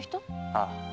ああ。